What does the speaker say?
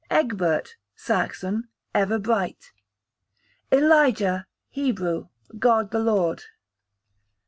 Egbert, Saxon, ever bright. Elijah, Hebrew, God the Lord.